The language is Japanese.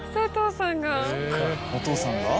お父さんが？